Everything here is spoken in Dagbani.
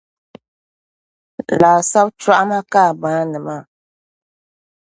Laasabu chɔɣima ka a maani maa